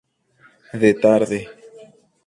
De tarde.